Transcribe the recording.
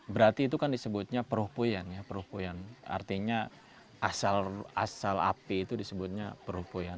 berarti itu kan disebutnya perhupuian artinya asal api itu disebutnya perhupuian